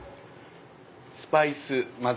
スパイスまぜ。